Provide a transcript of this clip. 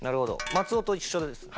松尾と一緒ですね。